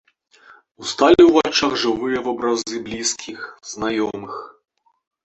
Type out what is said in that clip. Усталі ў вачах жывыя вобразы блізкіх, знаёмых.